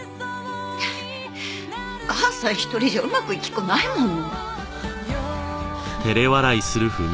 母さん一人じゃうまくいきっこないもの！